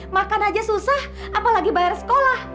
makan aja susah apalagi bayar sekolah